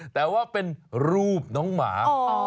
แต่ว่าเป็นรูปน้องหมา